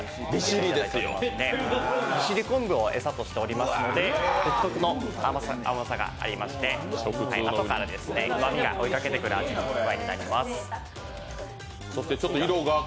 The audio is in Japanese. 利尻昆布を餌にしていますので独特の甘さになっていまして、後からうまみがおいかけてくる味わいになります。